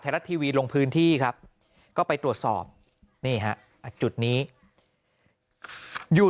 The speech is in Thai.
รัฐทีวีลงพื้นที่ครับก็ไปตรวจสอบนี่ฮะจุดนี้อยู่